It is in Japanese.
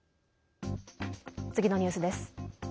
次のニュースです。